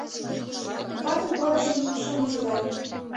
Ватын порыжым шым ужылдал.